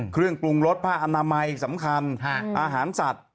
เครื่องปรุงรสผ้าอนามัยสำคัญอาหารสัตว์